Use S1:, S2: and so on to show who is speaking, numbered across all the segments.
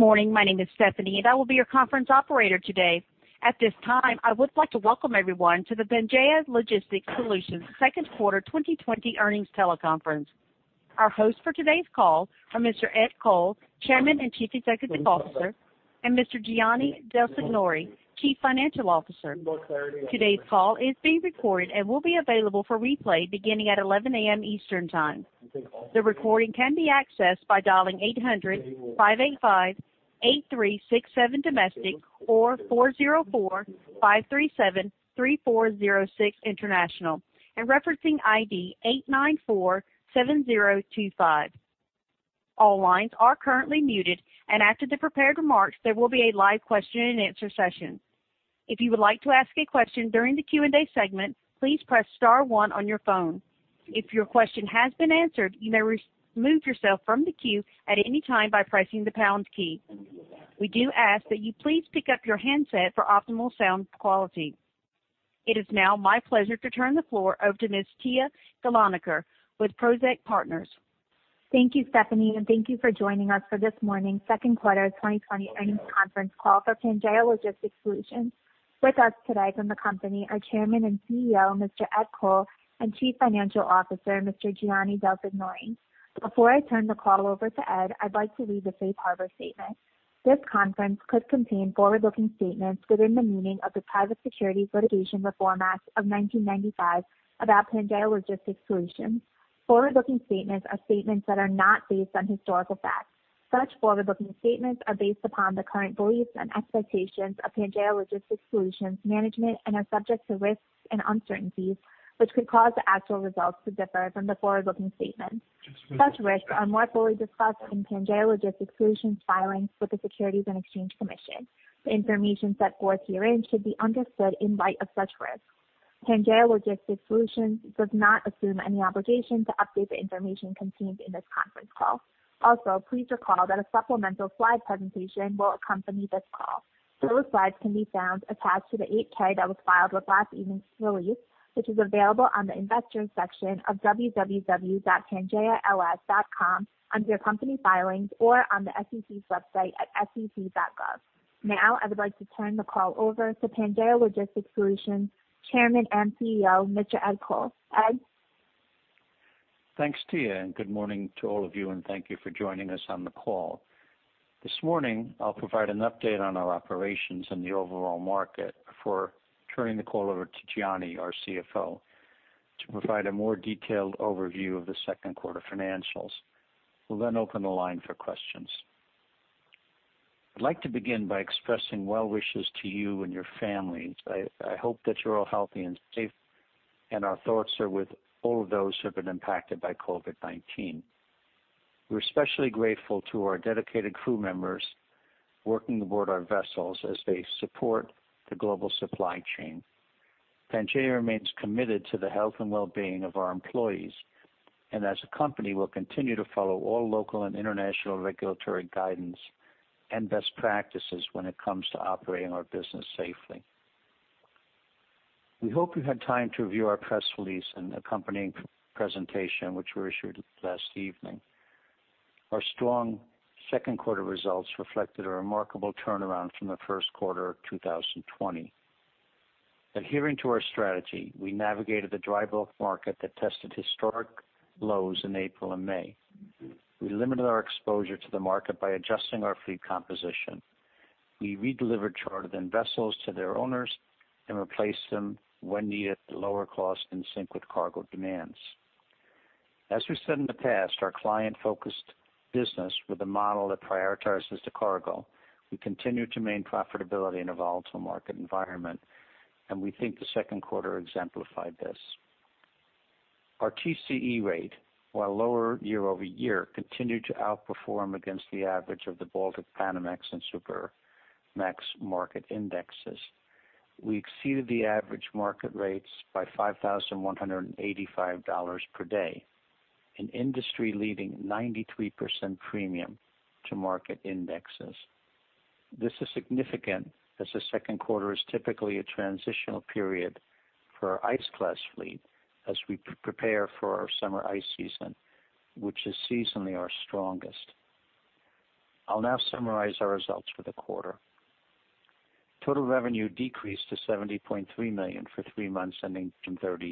S1: Good morning. My name is Stephanie, and I will be your conference operator today. At this time, I would like to welcome everyone to the Pangaea Logistics Solutions Second Quarter 2020 earnings teleconference. Our hosts for today's call are Mr. Ed Coll, Chairman and Chief Executive Officer, and Mr. Gianni Del Signore, Chief Financial Officer. Today's call is being recorded and will be available for replay beginning at 11:00 A.M. Eastern Time. The recording can be accessed by dialing 800-585-8367 domestic or 404-537-3406 international, and referencing ID 8947025. All lines are currently muted, and after the prepared remarks, there will be a live question and answer session. If you would like to ask a question during the Q&A segment, please press star one on your phone. If your question has been answered, you may remove yourself from the queue at any time by pressing the pound key. We do ask that you please pick up your handset for optimal sound quality. It is now my pleasure to turn the floor over to Ms. Tiya Gulanikar with Prosek Partners.
S2: Thank you, Stephanie, and thank you for joining us for this morning's Second Quarter 2020 earnings conference call for Pangaea Logistics Solutions. With us today from the company are Chairman and CEO Mr. Ed Coll and Chief Financial Officer Mr. Gianni Del Signore. Before I turn the call over to Ed, I'd like to read the safe harbor statement. This conference call could contain forward-looking statements within the meaning of the Private Securities Litigation Reform Act of 1995 about Pangaea Logistics Solutions. Forward-looking statements are statements that are not based on historical facts. Such forward-looking statements are based upon the current beliefs and expectations of Pangaea Logistics Solutions management and are subject to risks and uncertainties which could cause the actual results to differ from the forward-looking statements. Such risks are more fully discussed in Pangaea Logistics Solutions filings with the Securities and Exchange Commission. The information set forth herein should be understood in light of such risks. Pangaea Logistics Solutions does not assume any obligation to update the information contained in this conference call. Also, please recall that a supplemental slide presentation will accompany this call. Those slides can be found attached to the 8-K that was filed with last evening's release, which is available on the investors' section of www.pangaeals.com under company filings or on the SEC's website at sec.gov. Now, I would like to turn the call over to Pangaea Logistics Solutions Chairman and CEO Mr. Ed Coll. Ed?
S3: Thanks, Tiya. And good morning to all of you, and thank you for joining us on the call. This morning, I'll provide an update on our operations and the overall market before turning the call over to Gianni, our CFO, to provide a more detailed overview of the second quarter financials. We'll then open the line for questions. I'd like to begin by expressing well wishes to you and your families. I hope that you're all healthy and safe, and our thoughts are with all of those who have been impacted by COVID-19. We're especially grateful to our dedicated crew members working aboard our vessels as they support the global supply chain. Pangaea remains committed to the health and well-being of our employees, and as a company, we'll continue to follow all local and international regulatory guidance and best practices when it comes to operating our business safely. We hope you had time to review our press release and accompanying presentation, which we issued last evening. Our strong second quarter results reflected a remarkable turnaround from the first quarter of 2020. Adhering to our strategy, we navigated the dry bulk market that tested historic lows in April and May. We limited our exposure to the market by adjusting our fleet composition. We redelivered chartered vessels to their owners and replaced them when needed at lower cost in sync with cargo demands. As we said in the past, our client-focused business with a model that prioritizes the cargo, we continue to maintain profitability in a volatile market environment, and we think the second quarter exemplified this. Our TCE rate, while lower year-over-year, continued to outperform against the average of the Baltic, Panamax, and Supramax market indexes. We exceeded the average market rates by $5,185 per day, an industry-leading 93% premium to market indexes. This is significant as the second quarter is typically a transitional period for our ice-class fleet as we prepare for our summer ice season, which is seasonally our strongest. I'll now summarize our results for the quarter. Total revenue decreased to $70.3 million for three months ending 2020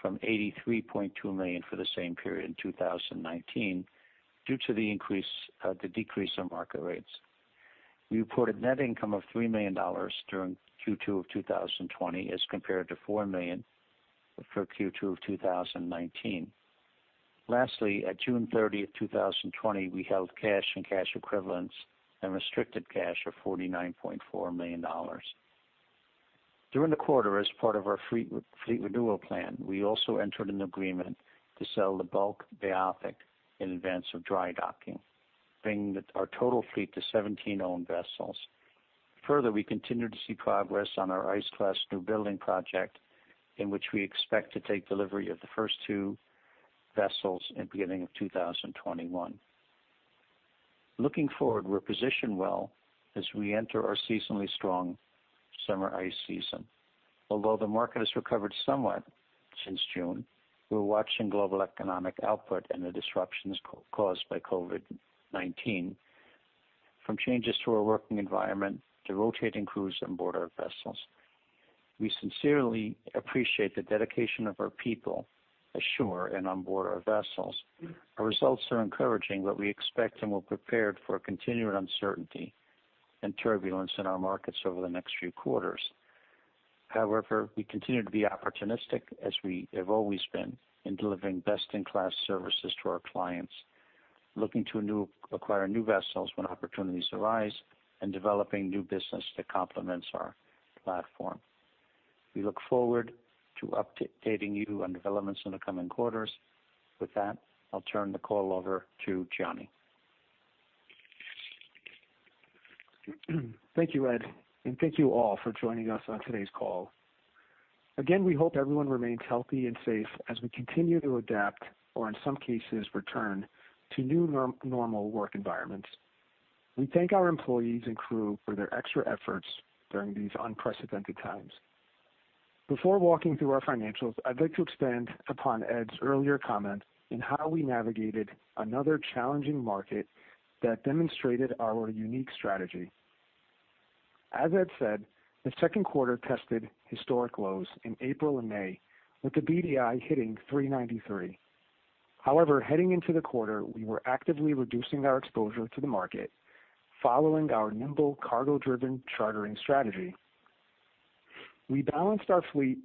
S3: from $83.2 million for the same period in 2019 due to the decrease in market rates. We reported net income of $3 million during Q2 of 2020 as compared to $4 million for Q2 of 2019. Lastly, at June 30th, 2020, we held cash and cash equivalents and restricted cash of $49.4 million. During the quarter, as part of our fleet renewal plan, we also entered an agreement to sell the Bulk Beothuk in advance of dry docking, bringing our total fleet to 17 owned vessels. Further, we continue to see progress on our ice-class newbuilding project in which we expect to take delivery of the first two vessels in the beginning of 2021. Looking forward, we're positioned well as we enter our seasonally strong summer ice season. Although the market has recovered somewhat since June, we're watching global economic output and the disruptions caused by COVID-19, from changes to our working environment to rotating crews on board our vessels. We sincerely appreciate the dedication of our people ashore and on board our vessels. Our results are encouraging, but we expect and we're prepared for continued uncertainty and turbulence in our markets over the next few quarters. However, we continue to be opportunistic as we have always been in delivering best-in-class services to our clients, looking to acquire new vessels when opportunities arise, and developing new business that complements our platform. We look forward to updating you on developments in the coming quarters. With that, I'll turn the call over to Gianni.
S4: Thank you, Ed, and thank you all for joining us on today's call. Again, we hope everyone remains healthy and safe as we continue to adapt, or in some cases, return to new normal work environments. We thank our employees and crew for their extra efforts during these unprecedented times. Before walking through our financials, I'd like to expand upon Ed's earlier comment in how we navigated another challenging market that demonstrated our unique strategy. As Ed said, the second quarter tested historic lows in April and May, with the BDI hitting 393. However, heading into the quarter, we were actively reducing our exposure to the market following our nimble cargo-driven chartering strategy. We balanced our fleet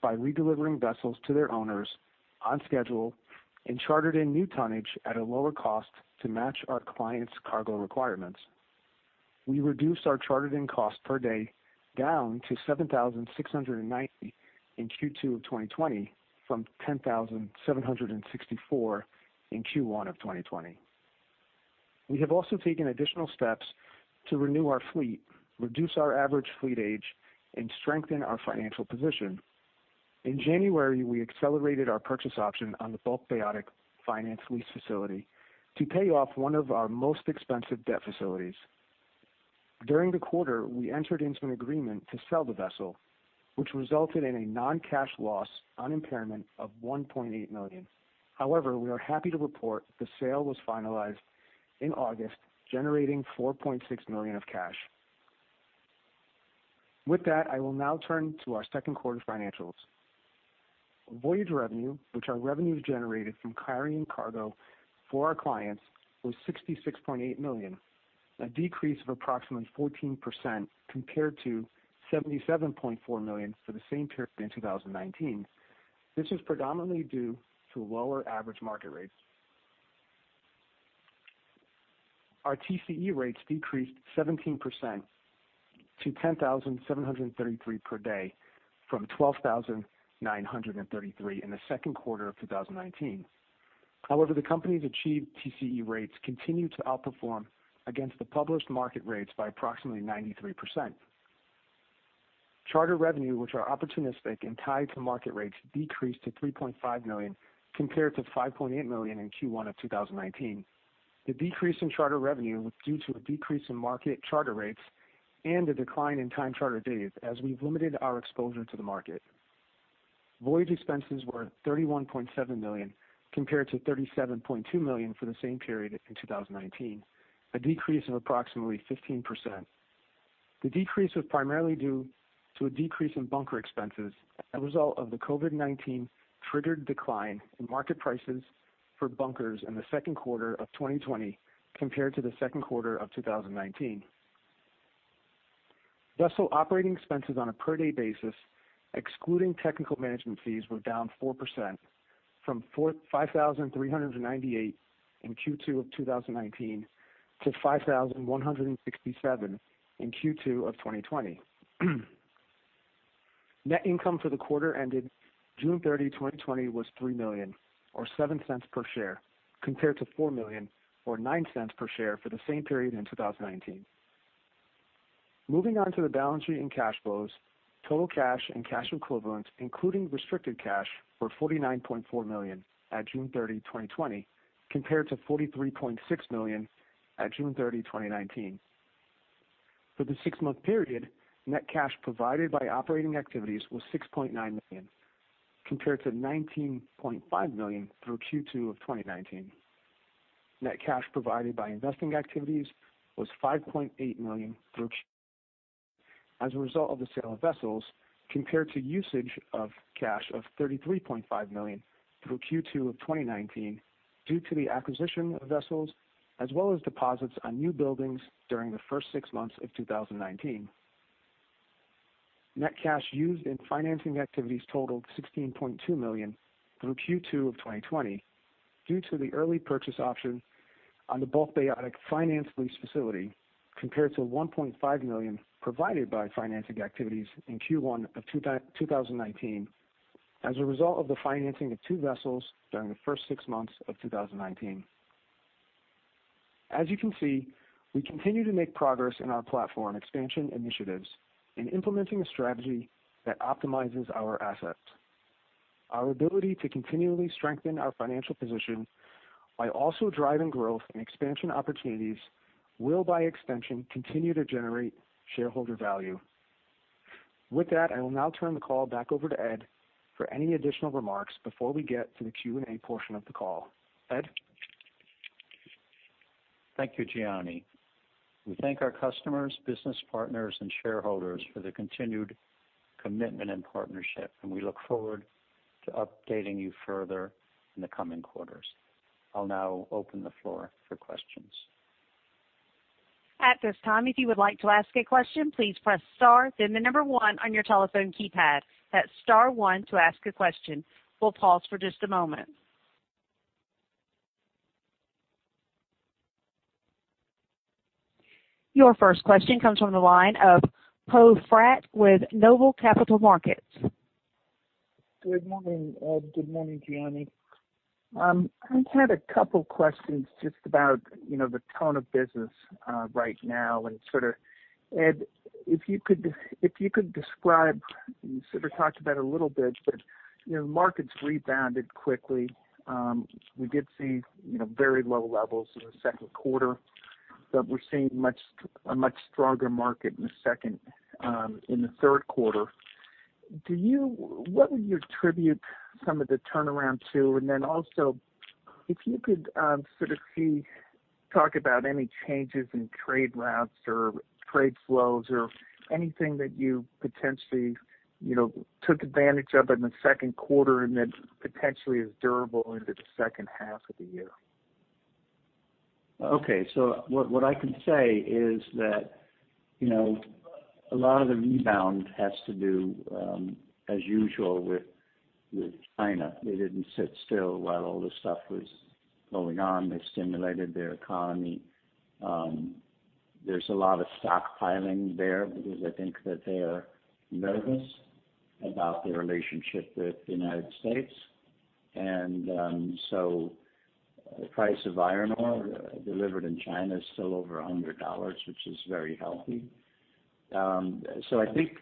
S4: by redelivering vessels to their owners on schedule and chartered in new tonnage at a lower cost to match our client's cargo requirements. We reduced our chartered-in cost per day down to $7,690 in Q2 of 2020 from $10,764 in Q1 of 2020. We have also taken additional steps to renew our fleet, reduce our average fleet age, and strengthen our financial position. In January, we accelerated our purchase option on the Bulk Beothuk finance lease facility to pay off one of our most expensive debt facilities. During the quarter, we entered into an agreement to sell the vessel, which resulted in a non-cash loss on impairment of $1.8 million. However, we are happy to report the sale was finalized in August, generating $4.6 million of cash. With that, I will now turn to our second quarter financials. Voyage revenue, which are revenues generated from carrying cargo for our clients, was $66.8 million, a decrease of approximately 14% compared to $77.4 million for the same period in 2019. This was predominantly due to lower average market rates. Our TCE rates decreased 17% to $10,733 per day from $12,933 in the second quarter of 2019. However, the company's achieved TCE rates continue to outperform against the published market rates by approximately 93%. Charter revenue, which are opportunistic and tied to market rates, decreased to $3.5 million compared to $5.8 million in Q1 of 2019. The decrease in charter revenue was due to a decrease in market charter rates and a decline in time charter days as we've limited our exposure to the market. Voyage expenses were $31.7 million compared to $37.2 million for the same period in 2019, a decrease of approximately 15%. The decrease was primarily due to a decrease in bunker expenses as a result of the COVID-19 triggered decline in market prices for bunkers in the second quarter of 2020 compared to the second quarter of 2019. Vessel operating expenses on a per-day basis, excluding technical management fees, were down 4% from 5,398 in Q2 of 2019 to 5,167 in Q2 of 2020. Net income for the quarter ended June 30, 2020, was $3 million, or $0.07 per share, compared to $4 million, or $0.09 per share for the same period in 2019. Moving on to the balance sheet and cash flows, total cash and cash equivalents, including restricted cash, were $49.4 million at June 30, 2020, compared to $43.6 million at June 30, 2019. For the six-month period, net cash provided by operating activities was $6.9 million compared to $19.5 million through Q2 of 2019. Net cash provided by investing activities was $5.8 million through Q2 of 2019. As a result of the sale of vessels, compared to usage of cash of $33.5 million through Q2 of 2019 due to the acquisition of vessels as well as deposits on new buildings during the first six months of 2019. Net cash used in financing activities totaled $16.2 million through Q2 of 2020 due to the early purchase option on the Bulk Beothuk finance lease facility compared to $1.5 million provided by financing activities in Q1 of 2019 as a result of the financing of two vessels during the first six months of 2019. As you can see, we continue to make progress in our platform expansion initiatives in implementing a strategy that optimizes our assets. Our ability to continually strengthen our financial position by also driving growth and expansion opportunities will, by extension, continue to generate shareholder value. With that, I will now turn the call back over to Ed for any additional remarks before we get to the Q&A portion of the call. Ed?
S3: Thank you, Gianni. We thank our customers, business partners, and shareholders for the continued commitment and partnership, and we look forward to updating you further in the coming quarters. I'll now open the floor for questions.
S1: At this time, if you would like to ask a question, please press star, then the number one on your telephone keypad. That's star one to ask a question. We'll pause for just a moment. Your first question comes from the line of Poe Fratt with Noble Capital Markets.
S5: Good morning, Ed. Good morning, Gianni. I had a couple of questions just about the tone of business right now. And Ed, if you could describe. You sort of talked about a little bit, but the markets rebounded quickly. We did see very low levels in the second quarter, but we're seeing a much stronger market in the third quarter. What would you attribute some of the turnaround to? And then also, if you could sort of talk about any changes in trade routes or trade flows or anything that you potentially took advantage of in the second quarter and that potentially is durable into the second half of the year.
S3: Okay, so what I can say is that a lot of the rebound has to do, as usual, with China. They didn't sit still while all this stuff was going on. They stimulated their economy. There's a lot of stockpiling there because I think that they are nervous about their relationship with the United States, and so the price of iron ore delivered in China is still over $100, which is very healthy, so I think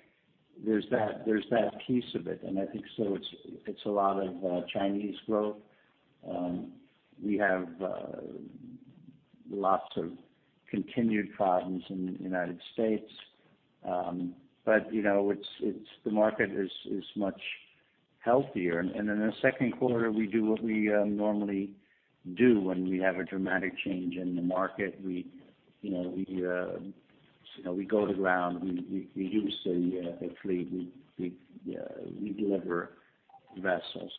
S3: there's that piece of it, and I think so it's a lot of Chinese growth. We have lots of continued problems in the United States, but the market is much healthier, and in the second quarter, we do what we normally do when we have a dramatic change in the market. We go to ground. We use the fleet. We deliver vessels,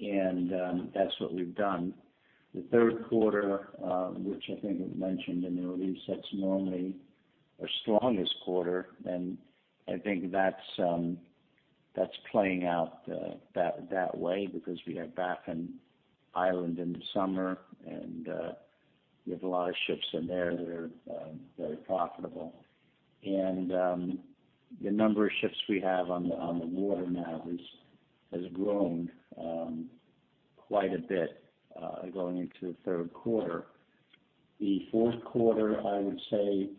S3: and that's what we've done. The third quarter, which I think I've mentioned in the release, that's normally our strongest quarter, and I think that's playing out that way because we have Baffin Island in the summer, and we have a lot of ships in there that are very profitable, and the number of ships we have on the water now has grown quite a bit going into the third quarter. The fourth quarter, I would say,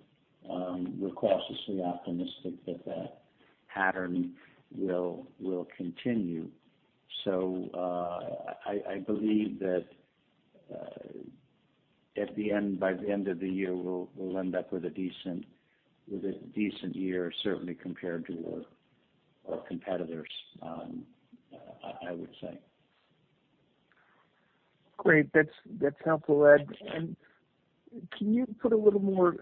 S3: we're cautiously optimistic that that pattern will continue, so I believe that by the end of the year, we'll end up with a decent year, certainly compared to our competitors, I would say.
S5: Great. That's helpful, Ed. And can you put a little more,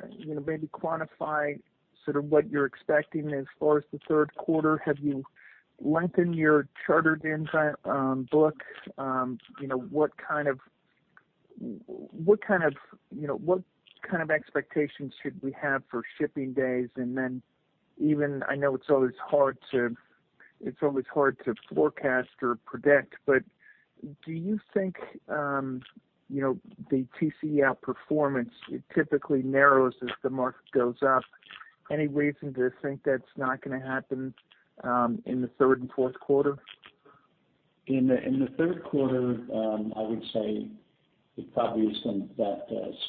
S5: maybe quantify sort of what you're expecting as far as the third quarter? Have you lengthened your chartered-in book? What kind of expectations should we have for shipping days? And then even I know it's always hard to forecast or predict, but do you think the TCE outperformance typically narrows as the market goes up? Any reason to think that's not going to happen in the third and fourth quarter?
S3: In the third quarter, I would say it probably is going to. That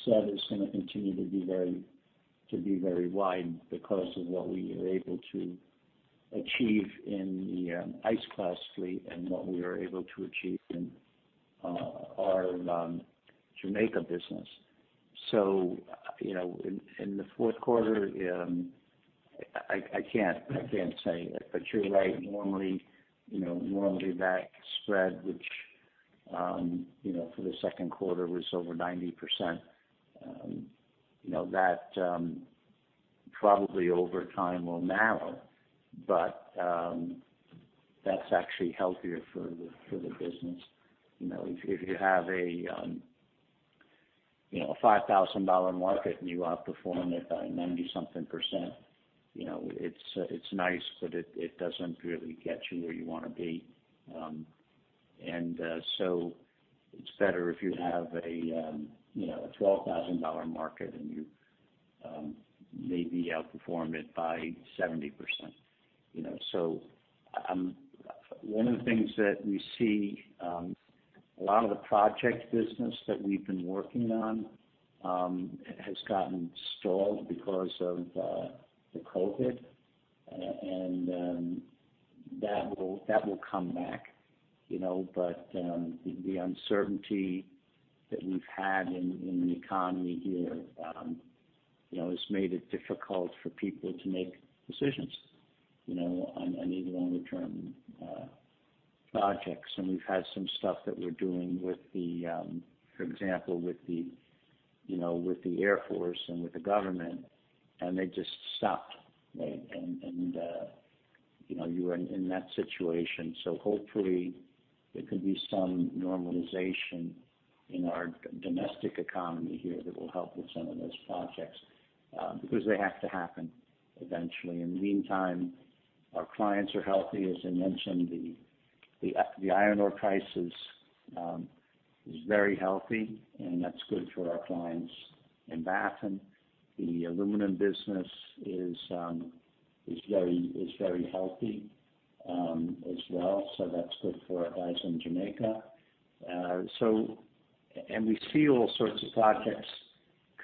S3: spread is going to continue to be very wide because of what we are able to achieve in the ice-class fleet and what we were able to achieve in our Jamaica business. So in the fourth quarter, I can't say, but you're right. Normally, that spread, which for the second quarter was over 90%, that probably over time will narrow, but that's actually healthier for the business. If you have a $5,000 market and you outperform it by 90-something percent, it's nice, but it doesn't really get you where you want to be. And so it's better if you have a $12,000 market and you maybe outperform it by 70%. So one of the things that we see, a lot of the project business that we've been working on has gotten stalled because of the COVID, and that will come back. But the uncertainty that we've had in the economy here has made it difficult for people to make decisions on any longer-term projects. And we've had some stuff that we're doing with the, for example, with the Air Force and with the government, and they just stopped, right? And you were in that situation. So hopefully, there could be some normalization in our domestic economy here that will help with some of those projects because they have to happen eventually. In the meantime, our clients are healthy, as I mentioned. The iron ore price is very healthy, and that's good for our clients in Baffin. The aluminum business is very healthy as well, so that's good for our guys in Jamaica, and we see all sorts of projects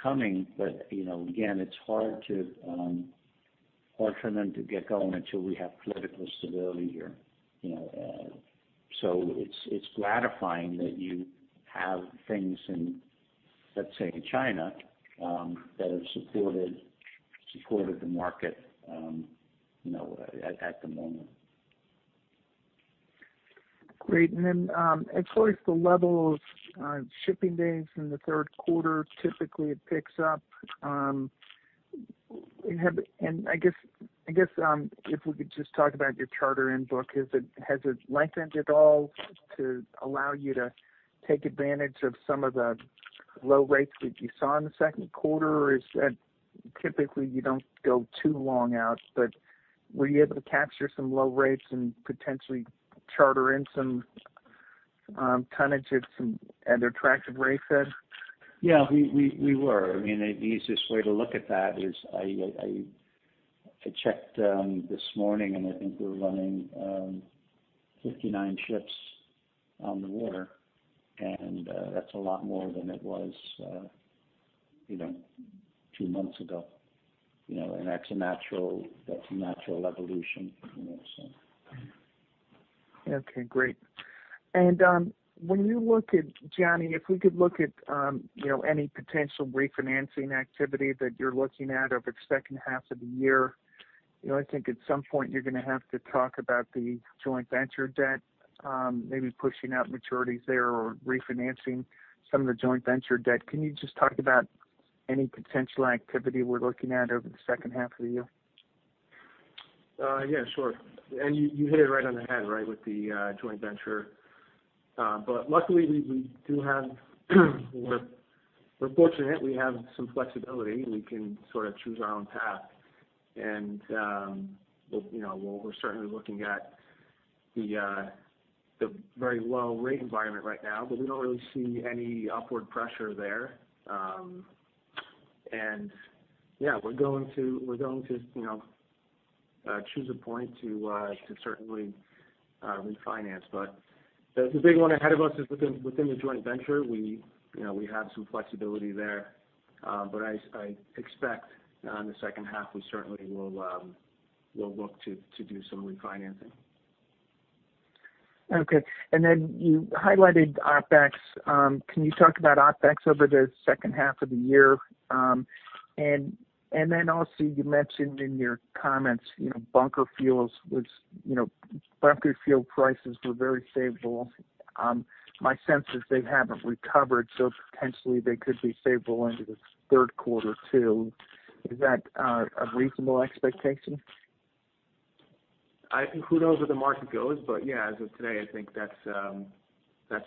S3: coming, but again, it's hard for them to get going until we have political stability here, so it's gratifying that you have things in, let's say, China that have supported the market at the moment.
S5: Great. And then as far as the level of shipping days in the third quarter, typically it picks up. And I guess if we could just talk about your charter in book, has it lengthened at all to allow you to take advantage of some of the low rates that you saw in the second quarter? Or is that typically you don't go too long out, but were you able to capture some low rates and potentially charter in some tonnage at attractive rates, Ed?
S3: Yeah, we were. I mean, the easiest way to look at that is I checked this morning, and I think we're running 59 ships on the water, and that's a lot more than it was two months ago. And that's a natural evolution, so.
S5: Okay. Great. And when you look at, Gianni, if we could look at any potential refinancing activity that you're looking at over the second half of the year, I think at some point you're going to have to talk about the joint venture debt, maybe pushing out maturities there or refinancing some of the joint venture debt. Can you just talk about any potential activity we're looking at over the second half of the year?
S4: Yeah, sure, and you hit it right on the head, right, with the joint venture. But luckily, we're fortunate we have some flexibility. We can sort of choose our own path, and we're certainly looking at the very low rate environment right now, but we don't really see any upward pressure there, and yeah, we're going to choose a point to certainly refinance, but the big one ahead of us is within the joint venture. We have some flexibility there, but I expect in the second half, we certainly will look to do some refinancing.
S5: Okay. And then you highlighted OpEx. Can you talk about OpEx over the second half of the year? And then also you mentioned in your comments bunker fuels, which bunker fuel prices were very favorable. My sense is they haven't recovered, so potentially they could be favorable into the third quarter too. Is that a reasonable expectation?
S4: Who knows where the market goes, but yeah, as of today, I think that's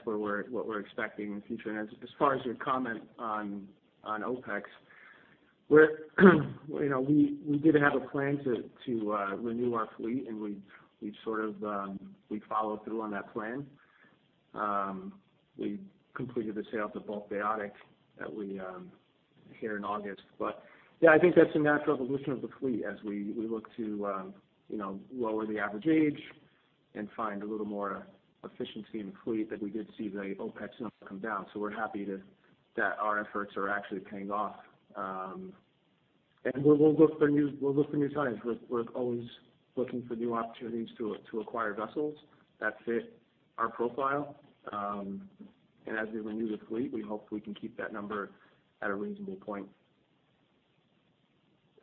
S4: what we're expecting in the future. And as far as your comment on OpEx, we did have a plan to renew our fleet, and we sort of followed through on that plan. We completed the sale of the Bulk Beothuk here in August. But yeah, I think that's a natural evolution of the fleet as we look to lower the average age and find a little more efficiency in the fleet that we did see the OpEx number come down. So we're happy that our efforts are actually paying off. And we'll look for new tonnage. We're always looking for new opportunities to acquire vessels that fit our profile. And as we renew the fleet, we hope we can keep that number at a reasonable point.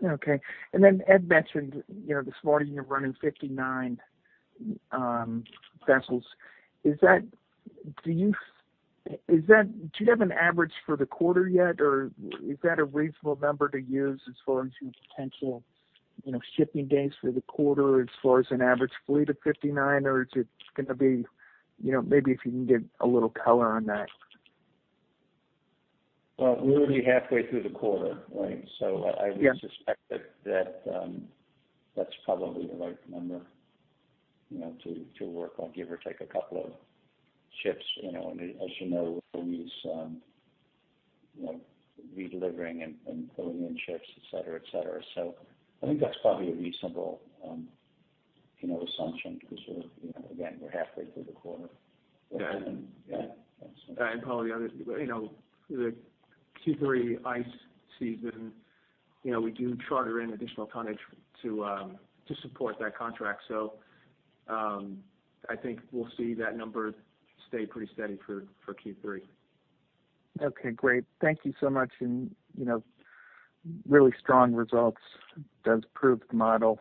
S5: Okay. And then Ed mentioned this morning you're running 59 vessels. Do you have an average for the quarter yet, or is that a reasonable number to use as far as your potential shipping days for the quarter as far as an average fleet of 59, or is it going to be maybe if you can get a little color on that?
S3: Well, we're already halfway through the quarter, right? So I would suspect that that's probably the right number to work. I'll give or take a couple of ships. And as you know, we're always redelivering and pulling in ships, etc., etc. So I think that's probably a reasonable assumption because, again, we're halfway through the quarter.
S4: Yeah, and probably the Q3 ice season, we do charter in additional tonnage to support that contract. So I think we'll see that number stay pretty steady for Q3.
S5: Okay. Great. Thank you so much, and really strong results does prove the model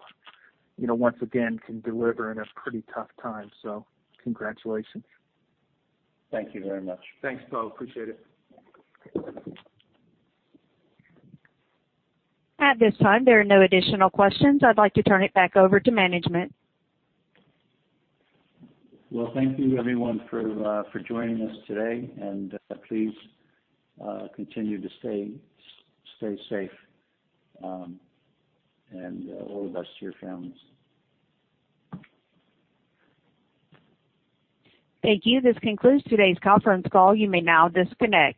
S5: once again can deliver in a pretty tough time, so congratulations.
S3: Thank you very much.
S4: Thanks, Coll. Appreciate it.
S1: At this time, there are no additional questions. I'd like to turn it back over to management.
S3: Thank you, everyone, for joining us today. Please continue to stay safe and all the best to your families.
S1: Thank you. This concludes today's conference call. You may now disconnect.